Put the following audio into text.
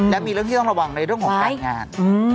และมีเรื่องที่ต้องระวังในเรื่องของการงาน